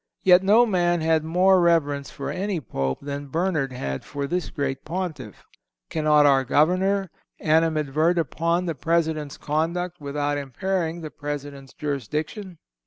Yet no man had more reverence for any Pope than Bernard had for this great Pontiff. Cannot our Governor animadvert upon the President's conduct without impairing the President's jurisdiction?